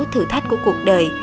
thử thách của cuộc đời